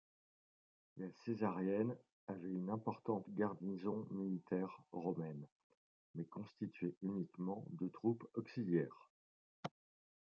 La Césarienne avait une importante garnison militaire romaine, mais constituée uniquement de troupes auxiliaires.